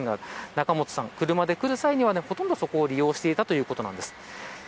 仲本さん車で来る際はほとんどそこを利用していたそうです。